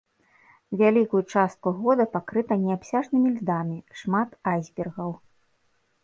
Вялікую частку года пакрыта неабсяжнымі льдамі, шмат айсбергаў.